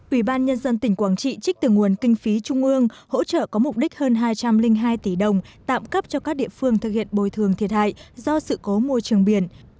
ủy ban nhân dân tỉnh quảng trị trích từ nguồn kinh phí trung ương hỗ trợ có mục đích hơn hai trăm linh hai tỷ đồng tạm cấp cho các địa phương thực hiện bồi thường thiệt hại do sự cố môi trường biển